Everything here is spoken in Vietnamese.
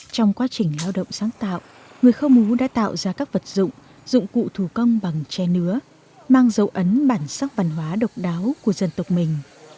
trong quá trình lao động sáng tạo người khơ mú đã tạo ra các vật dụng dụng cụ thủ công bằng tre nứa mang dấu ấn bản sắc văn hóa độc đáo của dân tộc mình